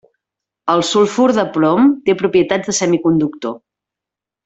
El sulfur de plom té propietats de semiconductor.